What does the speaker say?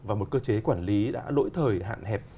và một cơ chế quản lý đã lỗi thời hạn hẹp